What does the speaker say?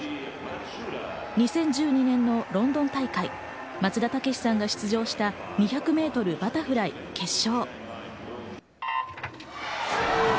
２０１２年のロンドン大会、松田丈志さんが出場した２００ｍバタフライ決勝。